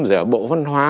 rồi ở bộ văn hóa